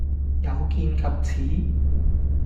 有見及此